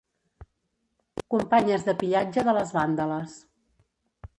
Companyes de pillatge de les vàndales.